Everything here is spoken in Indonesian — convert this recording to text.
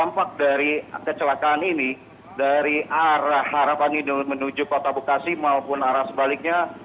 dampak dari kecelakaan ini dari arah harapan menuju kota bekasi maupun arah sebaliknya